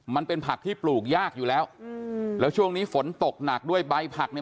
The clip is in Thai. มันเป็นผักที่ปลูกยากอยู่แล้วอืมแล้วช่วงนี้ฝนตกหนักด้วยใบผักเนี่ย